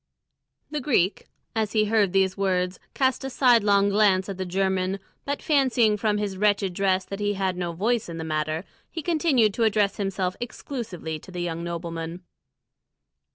The Greek, as he heard these words, cast a sidelong glance at the German, but fancying from his wretched dress that he had no voice in the matter, he continued to address himself exclusively to the young nobleman.